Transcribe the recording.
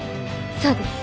そうです！